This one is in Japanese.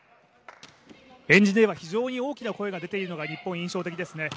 円陣では非常に大きな声が出ているのが日本、印象的ですね。